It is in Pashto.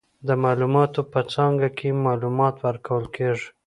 د معلوماتو په څانګه کې، معلومات ورکول کیږي.